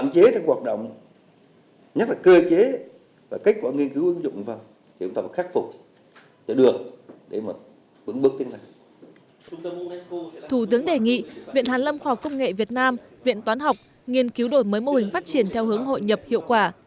trong phát triển khoa học công nghệ việt nam viện toán học nghiên cứu đổi mới mô hình phát triển theo hướng hội nhập hiệu quả